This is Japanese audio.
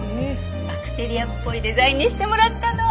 バクテリアっぽいデザインにしてもらったの。